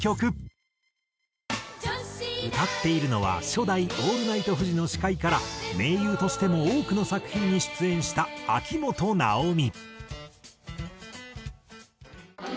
歌っているのは初代『オールナイトフジ』の司会から名優としても多くの作品に出演した秋本奈緒美。